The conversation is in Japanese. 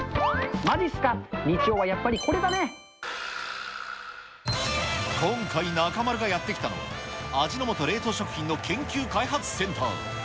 まじっすか、日曜はやっぱりこれ今回、中丸がやって来たのは、味の素冷凍食品の研究・開発センター。